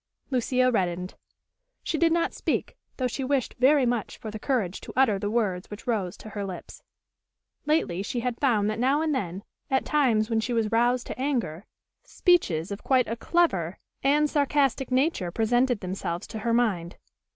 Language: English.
Lucia reddened. She did not speak, though she wished very much for the courage to utter the words which rose to her lips. Lately she had found that now and then, at times when she was roused to anger, speeches of quite a clever and sarcastic nature presented themselves to her mind.